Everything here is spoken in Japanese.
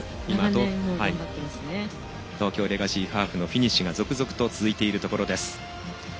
東京レガシーハーフのフィニッシュが続々と続いているところです。